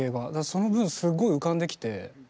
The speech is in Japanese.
その分すっごい浮かんできて。